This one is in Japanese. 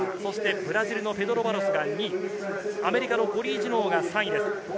ブラジルのペドロ・バロスが２位、アメリカのコリー・ジュノーが３位です。